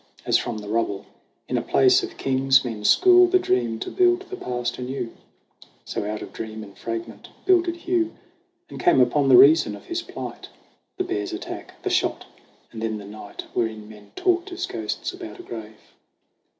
As from the rubble in a place of kings Men school the dream to build the past anew, So out of dream and fragment builded Hugh, And came upon the reason of his plight : The bear's attack the shot and then the night Wherein men talked as ghosts above a grave.